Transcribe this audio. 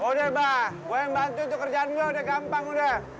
udah mbak gue yang bantu itu kerjaan gue udah gampang udah